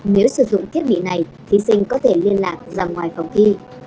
nếu sử dụng thiết bị này thí sinh có thể liên lạc ra ngoài phòng thi